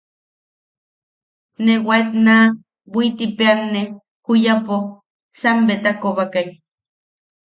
Ne waet naa buitipeʼeanne juyapo, sambeta kobakai.